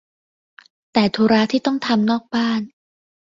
แต่ธุระที่ต้องทำนอกบ้าน